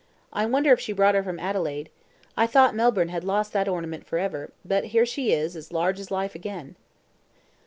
I wonder if she brought her from Adelaide. I thought Melbourne had lost that ornament for ever, but here she is as large as life again."